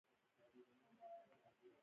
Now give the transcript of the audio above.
خولۍ د خوشحال خان خټک هم اغوسته.